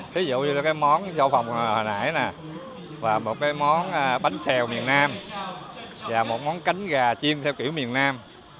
ví dụ như món châu phồng hồi nãy một món bánh xèo miền nam một món cánh gà chiên theo kiểu miền nam